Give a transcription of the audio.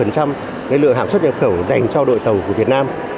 cái lựa hàng xuất nhập khẩu dành cho đội tàu của việt nam